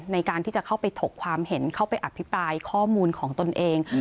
ในการที่จะเข้าไปถกความเห็นเข้าไปอภิปรายข้อมูลของตนเอง